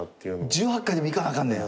１８回でもいかなあかんねや。